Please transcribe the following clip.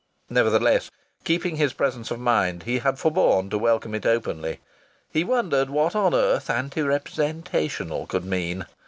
Nevertheless, keeping his presence of mind, he had forborne to welcome it openly. He wondered what on earth "anti representational" could mean.